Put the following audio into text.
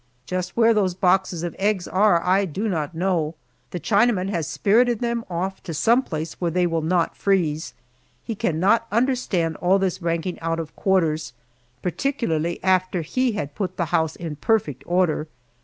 Just where these boxes of eggs are I do not know. The Chinaman has spirited them off to some place where they will not freeze. He cannot understand all this ranking out of quarters, particularly after he had put the house in perfect order.